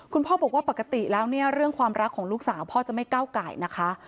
คุณพ่อบอกว่าปกติแล้วเนี่ยเรื่องความรักของลูกสาวพ่อจะไม่ก้าวไก่นะคะ